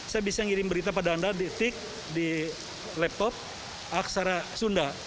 saya bisa ngirim berita pada anda di tik di laptop aksara sunda